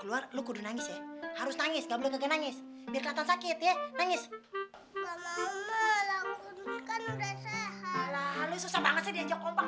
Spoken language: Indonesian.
alah lu susah banget sih diajak kompak